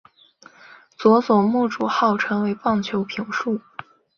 佐佐木主浩成为棒球评述。